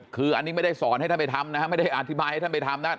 คืออันนี้ไม่ได้สอนให้ท่านไปทำนะฮะไม่ได้อธิบายให้ท่านไปทำนะ